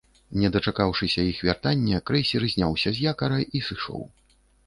Не дачакаўшыся іх вяртання, крэйсер зняўся з якара і сышоў.